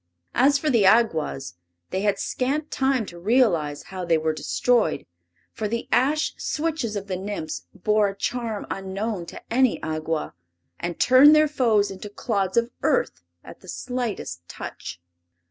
As for the Awgwas, they had scant time to realize how they were destroyed, for the ash switches of the Nymphs bore a charm unknown to any Awgwa, and turned their foes into clods of earth at the slightest touch!